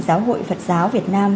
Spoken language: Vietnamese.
giáo hội phật giáo việt nam